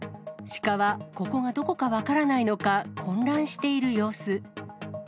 シカはここがどこか分からないのか、混乱している様子。